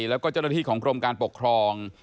แล้วก็เจ้าหน้าที่ของกรมการปกครอง